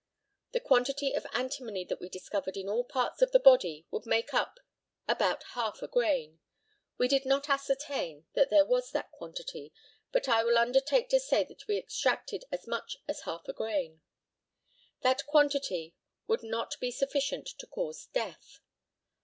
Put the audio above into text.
The quantity of antimony that we discovered in all parts of the body would make up about half a grain. We did not ascertain that there was that quantity, but I will undertake to say that we extracted as much as half a grain. That quantity would not be sufficient to cause death.